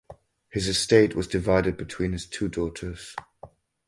His estate was divided between his two daughters.